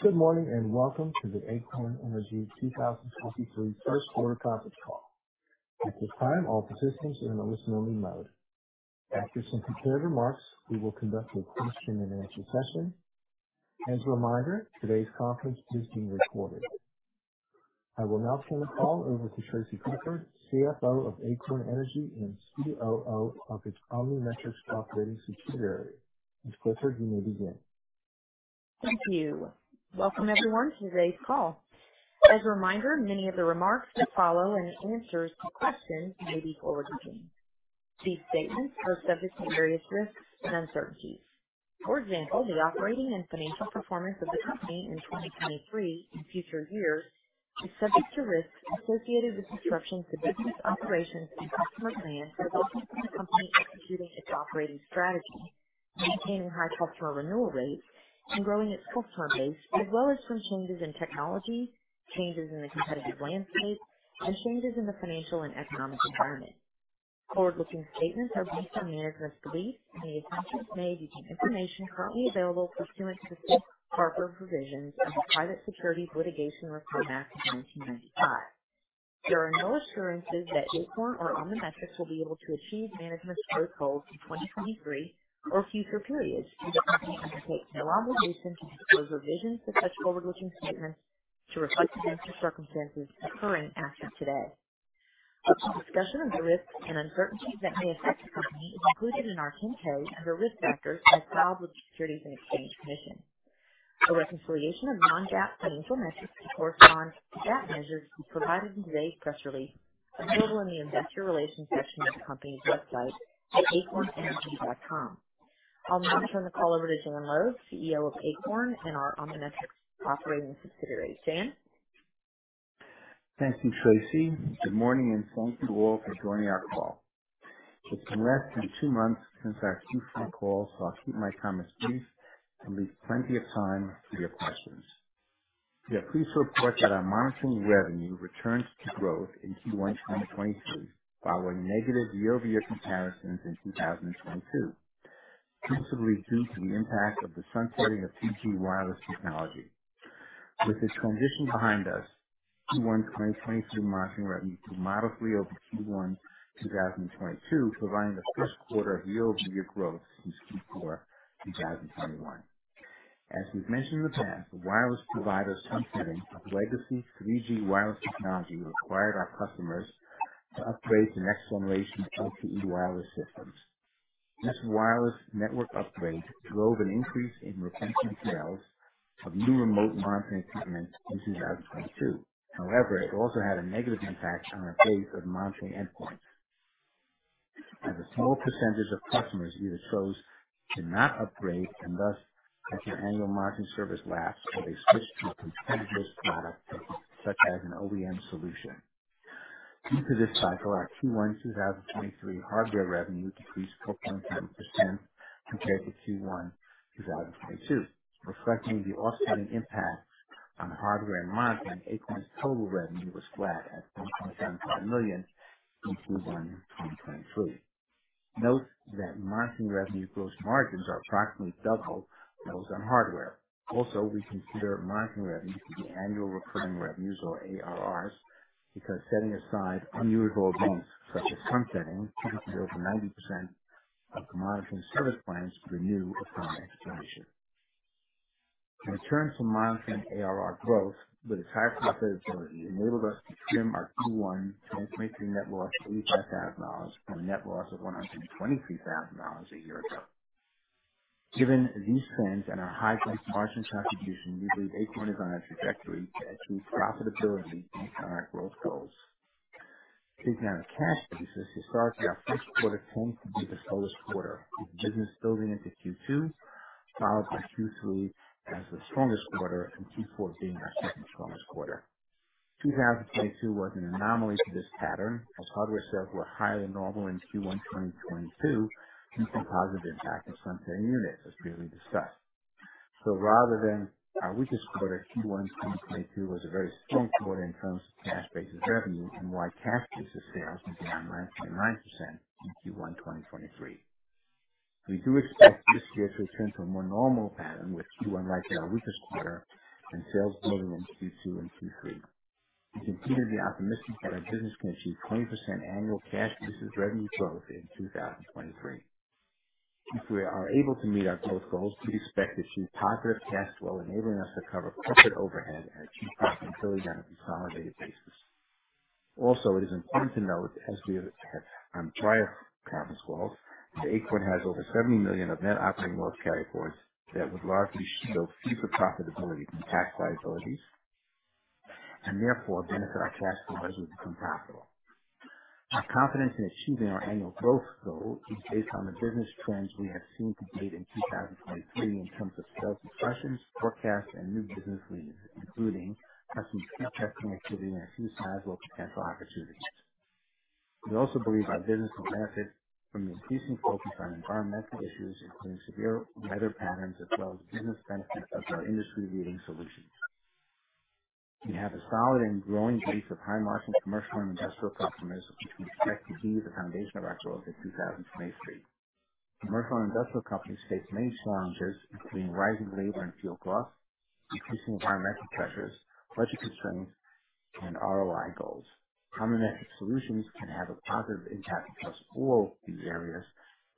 Good morning, welcome to the Acorn Energy 2023 first quarter conference call. At this time, all participants are in a listen-only mode. After some prepared remarks, we will conduct a question and answer session. As a reminder, today's conference is being recorded. I will now turn the call over to Tracy Clifford, CFO of Acorn Energy, and COO of its OmniMetrix operating subsidiary. Ms. Clifford, you may begin. Thank you. Welcome, everyone, to today's call. As a reminder, many of the remarks that follow and answers to questions may be forward-looking. These statements are subject to various risks and uncertainties. For example, the operating and financial performance of the company in 2023 and future years is subject to risks associated with disruptions to business operations and customer plans, resulting from the company executing its operating strategy, maintaining high customer renewal rates, and growing its customer base, as well as from changes in technology, changes in the competitive landscape, and changes in the financial and economic environment. Forward-looking statements are based on management's beliefs, and the assumptions made using information currently available pursuant to the safe harbor provisions of the Private Securities Litigation Reform Act of 1995. There are no assurances that Acorn or OmniMetrix will be able to achieve management's growth goals for 2023 or future periods. The company undertakes no obligation to disclose revisions to such forward-looking statements to reflect events or circumstances occurring after today. A full discussion of the risks and uncertainties that may affect the company is included in our 10-K under Risk Factors and filed with the Securities and Exchange Commission. A reconciliation of non-GAAP financial measures to correspond to GAAP measures will be provided in today's press release available in the investor relations section of the company's website at acornenergy.com. I'll now turn the call over to Jan Loeb, CEO of Acorn and our OmniMetrix operating subsidiary. Jan? Thank you, Tracy. Good morning, thank you all for joining our call. It's been less than 2 months since our Q3 call, so I'll keep my comments brief and leave plenty of time for your questions. We are pleased to report that our monitoring revenue returned to growth in Q1 2023, following negative year-over-year comparisons in 2022, principally due to the impact of the sunsetting of 3G wireless technology. With this transition behind us, Q1 2023 monitoring revenue modestly over Q1 2022, providing the first quarter of year-over-year growth since Q4 2021. As we've mentioned in the past, the wireless provider's sunsetting of legacy 3G wireless technology required our customers to upgrade to next-generation LTE wireless systems. This wireless network upgrade drove an increase in retention sales of new remote monitoring equipment in 2022. However, it also had a negative impact on our base of monitoring endpoints. As a small percentage of customers either chose to not upgrade and thus had their annual monitoring service lapse or they switched to a competitor's product, such as an OEM solution. Due to this cycle, our Q1 2023 hardware revenue decreased 4.7% compared to Q1 2022. Reflecting the offsetting impact on hardware and monitoring, Acorn's total revenue was flat at $1.75 million in Q1 2023. Note that monitoring revenue gross margins are approximately double those on hardware. Also, we consider monitoring revenue to be annual recurring revenues or ARRs, because setting aside unusual events such as sunsetting, 80%-90% of monitoring service plans renew upon expiration. In terms of monitoring ARR growth with its high profitability enabled us to trim our Q1 2023 net loss to $85,000 from a net loss of $123,000 a year ago. Given these trends and our high-margin contribution, we believe Acorn is on a trajectory to achieve profitability based on our growth goals. Digging down to cash basis, historically our first quarter tends to be the slowest quarter, with business building into Q2, followed by Q3 as the strongest quarter, and Q4 being our second strongest quarter. 2022 was an anomaly to this pattern as hardware sales were higher than normal in Q1 2022 due to the positive impact of sunsetting units as previously discussed. Rather than our weakest quarter, Q1 2022 was a very strong quarter in terms of cash basis revenue and why cash basis sales declined 9.9% in Q1 2023. We do expect this year to return to a more normal pattern, with Q1 likely our weakest quarter and sales building in Q2 and Q3. We continue to be optimistic that our business can achieve 20% annual cash basis revenue growth in 2023. If we are able to meet our growth goals, we expect to achieve positive cash flow, enabling us to cover corporate overhead at breakeven until we get on a consolidated basis. It is important to note, as we have on prior conference calls, that Acorn has over $70 million of net operating loss carryforwards that would largely shield future profitability from tax liabilities and therefore benefit our cash flows as we become profitable. Our confidence in achieving our annual growth goal is based on the business trends we have seen to date in 2023 in terms of sales discussions, forecasts, and new business leads, including our continued testing activity on a few sizable potential opportunities. We also believe our business will benefit from the increasing focus on environmental issues, including severe weather patterns, as well as the business benefits of our industry-leading solutions. We have a solid and growing base of high-margin commercial and industrial customers, which we expect to be the foundation of our growth in 2023. Commercial and industrial companies face many challenges, including rising labor and fuel costs, increasing environmental pressures, budget constraints, and ROI goals. Comnet solutions can have a positive impact across all these areas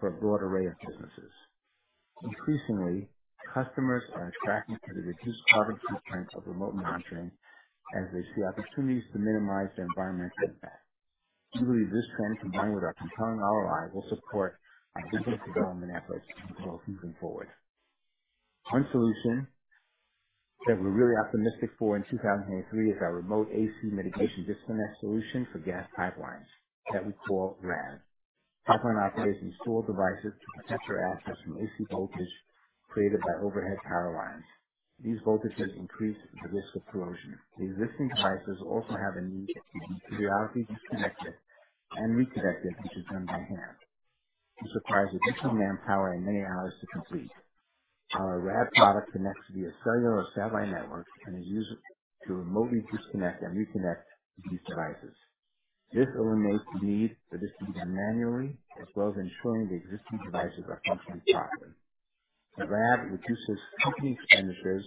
for a broad array of businesses. Increasingly, customers are attracting to the reduced carbon footprint of remote monitoring as they see opportunities to minimize their environmental impact. We believe this trend, combined with our compelling ROI, will support our business development efforts as we go looking forward. One solution that we're really optimistic for in 2023 is our remote AC mitigation disconnect solution for gas pipelines that we call RAD. Pipeline operators install devices to protect their assets from AC voltage created by overhead power lines. These voltages increase the risk of corrosion. The existing devices also have a need to be periodically disconnected and reconnected, which is done by hand. This requires additional manpower and many hours to complete. Our RAD product connects via cellular or satellite networks and is used to remotely disconnect and reconnect these devices. This eliminates the need for this to be done manually, as well as ensuring the existing devices are functioning properly. The RAD reduces company expenditures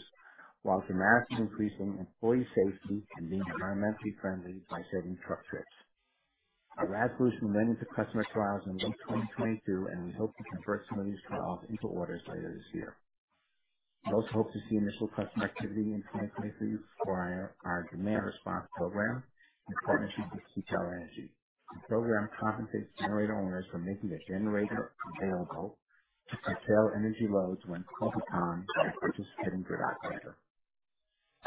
whilst dramatically increasing employee safety and being environmentally friendly by saving truck trips. Our RAD solution went into customer trials in late 2022, and we hope to convert some of these trials into orders later this year. We also hope to see initial customer activity in 2023 for our demand response program in partnership with CT Energy. The program compensates generator owners for making their generator available to retail energy loads when called upon by the participating grid operator.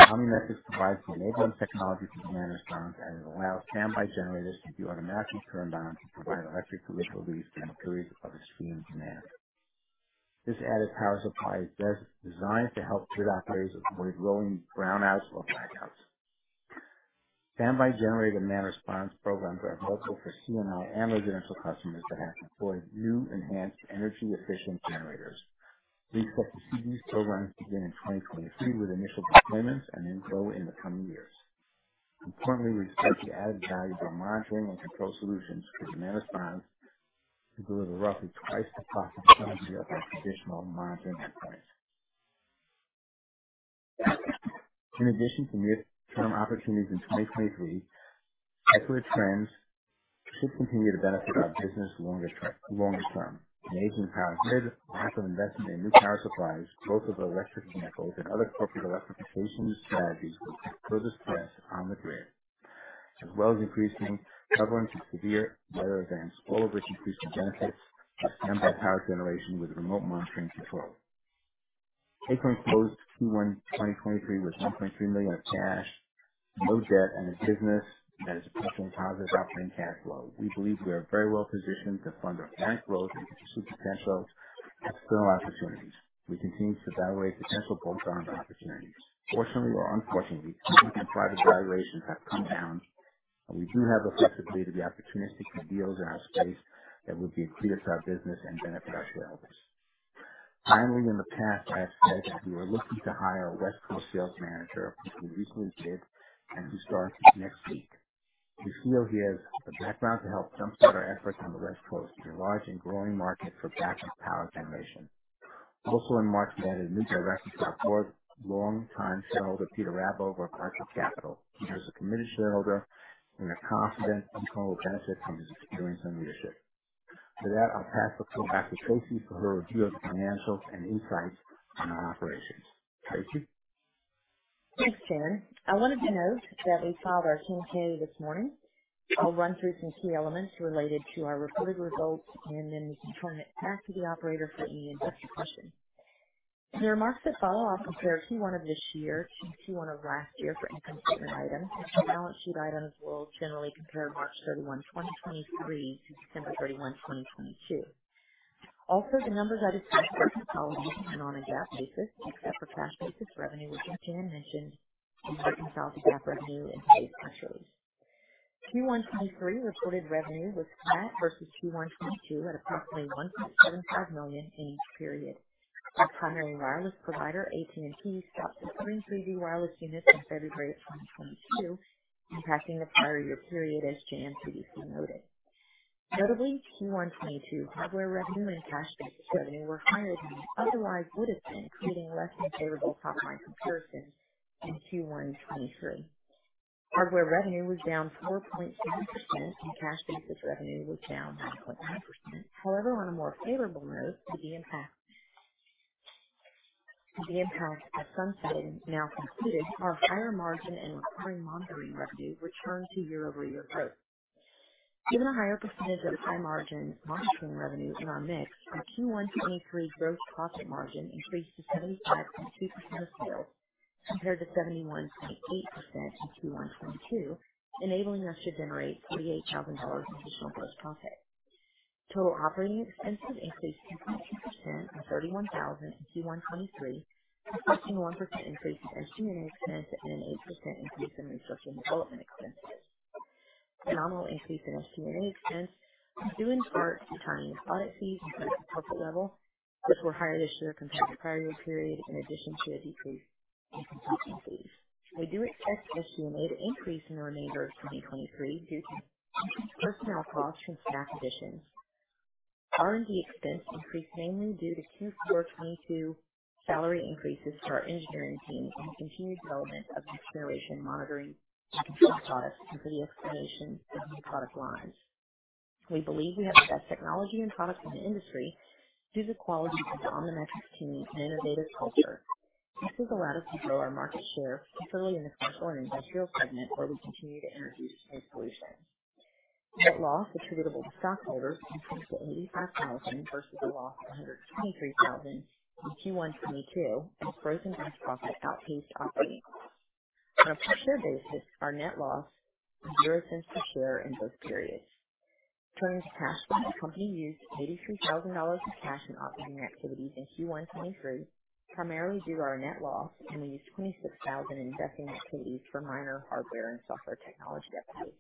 Comnet provides the enabling technology for demand response, as it allows standby generators to be automatically turned on to provide electric relief during periods of extreme demand. This added power supply is designed to help grid operators avoid rolling brownouts or blackouts. Standby generator demand response programs are helpful for C&I and residential customers that have deployed new enhanced energy efficient generators. We expect to see these programs begin in 2023 with initial deployments then grow in the coming years. Importantly, we expect the added value of our monitoring and control solutions for demand response to deliver roughly twice the profit margin of our traditional monitoring offerings. In addition to near-term opportunities in 2023, secular trends should continue to benefit our business longer term. An aging power grid, lack of investment in new power supplies, growth of electric vehicles, and other corporate electrification strategies will put further stress on the grid, as well as increasing prevalence of severe weather events, all of which increase the benefits of standby power generation with remote monitoring control. Acorn closed Q1 2023 with $1.3 million of cash, no debt, and a business that is approaching positive operating cash flow. We believe we are very well positioned to fund our current growth and pursue potential external opportunities. We continue to evaluate potential bolt-on opportunities. Fortunately or unfortunately, public and private valuations have come down, and we do have the flexibility and the opportunity to do deals in our space that would be accretive to our business and benefit our shareholders. Finally, in the past, I have said that we were looking to hire a West Coast sales manager, which we recently did, and who starts next week. We feel he has the background to help jump-start our efforts on the West Coast, which is a large and growing market for backup power generation. In March, we added a new director to our board, long-time shareholder Peter Rabover of Artko Capital LP. He is a committed shareholder, and we are confident Acorn will benefit from his experience and leadership. With that, I'll pass the call back to Tracy for her review of the financials and insights on our operations. Tracy? Thanks, Jan. I wanted to note that we filed our 10-K this morning. I'll run through some key elements related to our reported results. Then we can turn it back to the operator for any investor questions. The remarks that follow will compare Q1 of this year to Q1 of last year for income statement items. The balance sheet items will generally compare March 31, 2023 to December 31, 2022. The numbers I discuss are compiled on a GAAP basis, except for cash basis revenue, which as Jan mentioned, we reconcile to GAAP revenue in today's press release. Q1 2023 recorded revenue was flat versus Q1 2022 at approximately $1.75 million in each period. Our primary wireless provider, AT&T, stopped offering 3G wireless units in February of 2022, impacting the prior year period, as Jan previously noted. Notably, Q1 2022 hardware revenue and cash basis revenue were higher than they otherwise would have been, creating less favorable top-line comparisons in Q1 2023. Hardware revenue was down 4.7%, and cash basis revenue was down 9.9%. However, on a more favorable note, the impact of some spending now completed, our higher margin and recurring monitoring revenue returned to year-over-year growth. Given the higher percentage of high-margin monitoring revenue in our mix, our Q1 2023 gross profit margin increased to 75.2% of sales compared to 71.8% in Q1 2022, enabling us to generate $48,000 additional gross profit. Total operating expenses increased 2.2% to $31,000 in Q1 2023, reflecting a 1% increase in engineering expense and an 8% increase in R&D expense. Nominal increase in estimated expense is due in part to timing of audit fees and tax appeal level, which were higher this year compared to prior year period, in addition to a decrease in consulting fees. We do expect SG&A to increase in the remainder of 2023 due to increased personnel costs from staff additions. R&D expense increased mainly due to Q4 2022 salary increases to our engineering team and the continued development of next generation monitoring and control products and re-escalation of new product lines. We believe we have the best technology and products in the industry due to quality of the OmniMetrix team and innovative culture. This has allowed us to grow our market share, particularly in the commercial and industrial segment, where we continue to introduce new solutions. Net loss attributable to stockholders increased to $85,000 versus a loss of $123,000 in Q1 2022 as gross and profit outpaced operating costs. On a per share basis, our net loss is $0.00 a share in both periods. Turning to cash flow, the company used $83,000 of cash in operating activities in Q1 2023, primarily due to our net loss, and we used $26,000 in investing activities for minor hardware and software technology upgrades.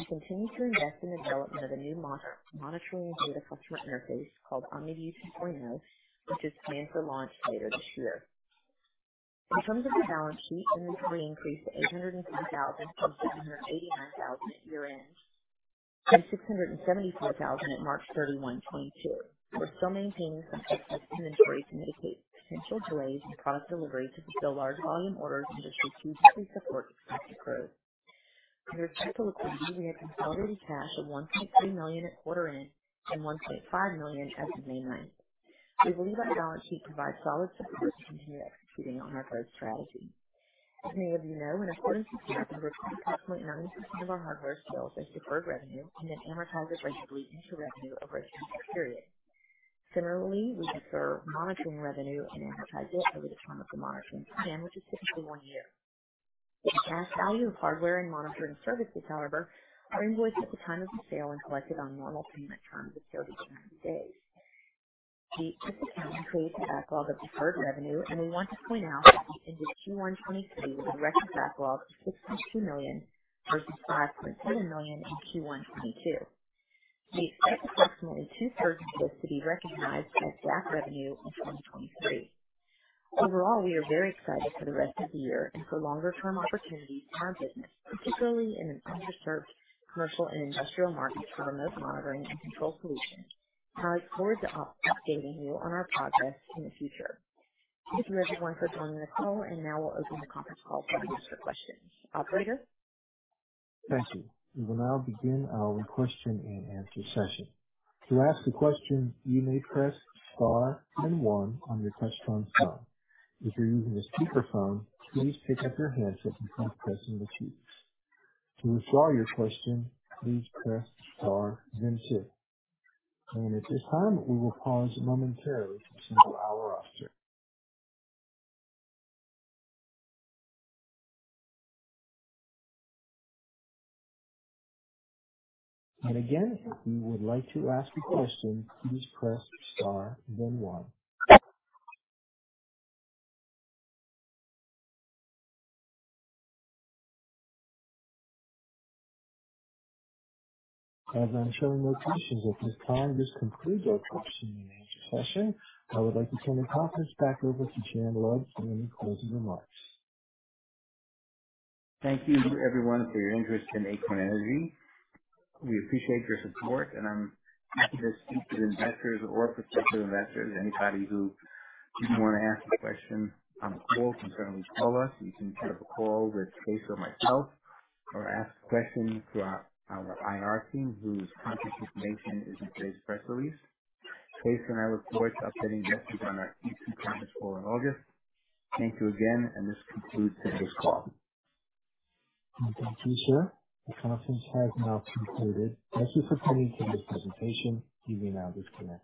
We continue to invest in development of the new monitoring and data customer interface called OmniView 2.0, which is planned for launch later this year. In terms of the balance sheet, it recently increased to $803,000 from $789,000 at year-end and $674,000 at March 31, 2022. We're still maintaining sufficient inventory to mitigate potential delays in product delivery to fulfill large volume orders in this strategic support expected growth. We expect to report year-end consolidated cash of $1.3 million at quarter end and $1.5 million as of May 9. We believe our balance sheet provides solid support to continue executing on our growth strategy. As many of you know, in accordance with GAAP, we report 5.9% of our hardware sales as deferred revenue. It amortizes ratably into revenue over a 24-period. Similarly, we defer monitoring revenue and amortize it over the term of the monitoring plan, which is typically 1 year. The cash value of hardware and monitoring services, however, are invoiced at the time of the sale and collected on normal payment terms of 30 to 90 days. We just increased the backlog of deferred revenue. We want to point out that we ended Q1 2023 with a record backlog of $6.2 million versus $5.7 million in Q1 2022. We expect approximately 2/3 of this to be recognized as GAAP revenue in 2023. Overall, we are very excited for the rest of the year and for longer term opportunities in our business, particularly in an underserved commercial and industrial market for remote monitoring and control solutions. I look forward to updating you on our progress in the future. Thank you everyone for joining the call. Now we'll open the conference call to answer questions. Operator? Thank you. We will now begin our question and answer session. To ask a question, you may press star then one on your touchtone phone. If you're using a speakerphone, please pick up your handset before pressing the keys. To withdraw your question, please press star then two. At this time, we will pause momentarily to shuffle our roster. Again, if you would like to ask a question, please press star then one. As I'm showing no questions at this time, this concludes our question and answer session. I would like to turn the conference back over to Jim Lodge for any closing remarks. Thank you everyone for your interest in Acorn Energy. We appreciate your support and I'm happy to speak to investors or prospective investors. Anybody who didn't want to ask a question on the call can certainly call us. You can set up a call with Case or myself or ask questions to our IR team whose contact information is in today's press release. Case and I look forward to updating investors on our Q2 conference call in August. Thank you again, and this concludes today's call. Thank you, sir. The conference has now concluded. Thank you for attending today's presentation. You may now disconnect.